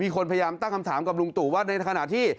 คนพยายามตั้งคำถามกับลุงตู่ว่าในขณะที่